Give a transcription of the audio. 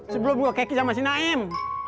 sebelum gue kekik sama si naim